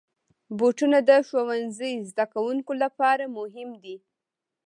بوټونه د ښوونځي زدهکوونکو لپاره مهم دي.